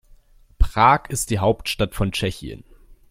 Prag ist die Hauptstadt von Tschechien.